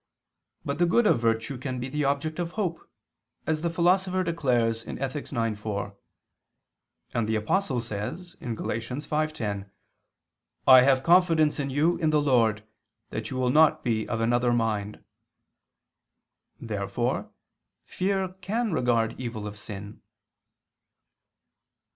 But the good of virtue can be the object of hope, as the Philosopher declares (Ethic. ix, 4): and the Apostle says (Gal. 5:10): "I have confidence in you in the Lord, that you will not be of another mind." Therefore fear can regard evil of sin.